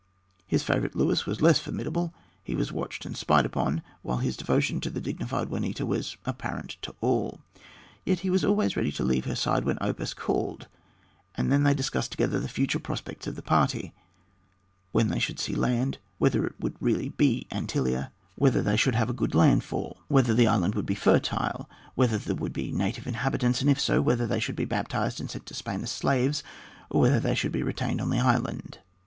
His supposed favorite Luis was less formidable; he was watched and spied upon, while his devotion to the dignified Juanita was apparent to all. Yet he was always ready to leave her side when Oppas called, and then they discussed together the future prospects of the party: when they should see land, whether it would really be Antillia, whether they should have a good landfall, whether the island would be fertile, whether there would be native inhabitants, and if so, whether they should be baptized and sent to Spain as slaves, or whether they should be retained on the island.